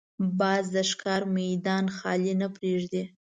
باز د ښکار میدان خالي نه پرېږدي